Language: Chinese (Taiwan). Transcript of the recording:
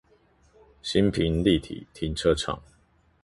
新平立體停車場